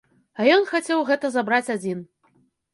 А ён хацеў гэта забраць адзін.